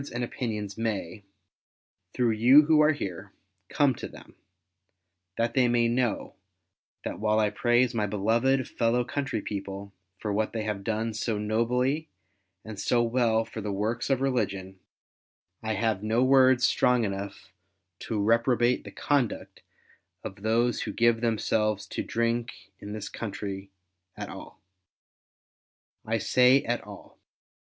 nd opinions may, through you who are here, come to them ; that they may know, that while I praise my beloved fellow country people for what they have done so nobly and so well for the ^vorks of religion, I have no words strong enough to reprobate the conduct of those who give themselves to drink in this country, at all. I say, at all.